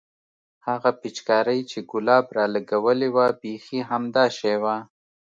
هغه پيچکارۍ چې ګلاب رالګولې وه بيخي همدا شى وه.